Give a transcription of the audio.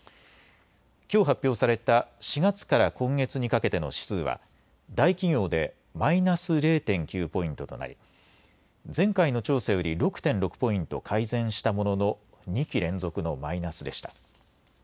きょう発表された４月から今月にかけての指数は大企業でマイナス０．９ポイントとなり前回の調査より６．６ポイント改善したものの２期連続のマイナスでした。